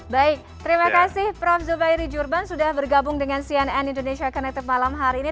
baik terima kasih prof zubairi jurban sudah bergabung dengan cnn indonesia connected malam hari ini